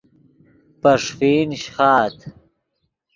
پے ݰیفین شیخآت